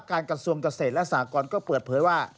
กระทรวงเกษตรและสากรก็เปิดเผยว่า